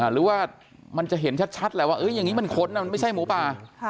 หรือว่ามันจะเห็นชัดแหละว่าอย่างนี้มันค้นมันไม่ใช่หมูป่า